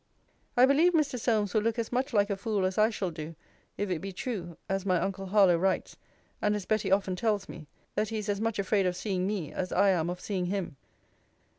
I believe Mr. Solmes will look as much like a fool as I shall do, if it be true, as my uncle Harlowe writes, and as Betty often tells me, that he is as much afraid of seeing me, as I am of seeing him.